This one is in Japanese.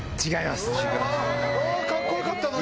カッコよかったのに！